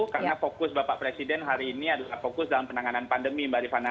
karena fokus bapak presiden hari ini adalah fokus dalam penanganan pandemi mbak rifana